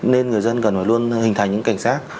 nên người dân cần phải luôn hình thành những cảnh sát